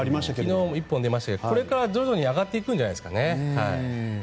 昨日も１本ありましたがこれから徐々に上がっていくんじゃないですか。